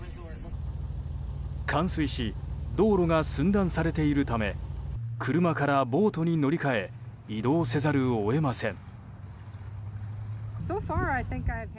冠水し道路が寸断されているため車からボートに乗り換え移動せざるを得ません。